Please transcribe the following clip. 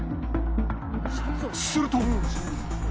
すると。